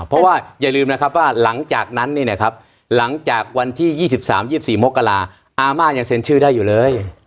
เพราะว่าอย่าลืมนะครับว่าหลังจากนั้นหลังจากวันที่๒๓๒๔มกราอาม่ายังเซ็นชื่อได้อยู่เลย